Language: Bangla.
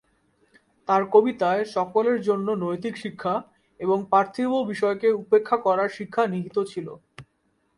তার কবিতায় সকলের জন্য নৈতিক শিক্ষা এবং পার্থিব বিষয়কে উপেক্ষা করার শিক্ষা নিহিত ছিল।